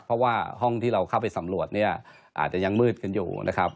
เพราะว่าห้องที่เราเข้าไปสำรวจเนี่ยอาจจะยังมืดกันอยู่นะครับ